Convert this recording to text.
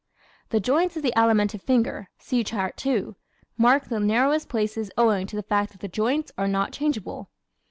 The joints of the Alimentive finger (See Chart 2) mark the narrowest places owing to the fact that the joints are not changeable.